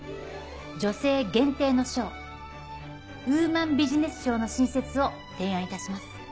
女性限定の賞ウーマンビジネス賞の新設を提案いたします。